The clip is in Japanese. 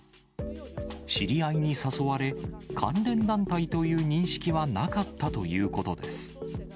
知り合いに誘われ、関連団体という認識はなかったということです。